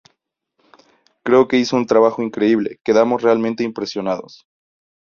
Creo que hizo un trabajo increíble, quedamos realmente impresionados.